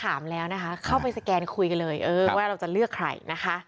ถามแล้วเข้าไปสแกนคุยกันเลยว่าเราจะเลือกใคร